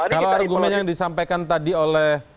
kalau argumen yang disampaikan tadi oleh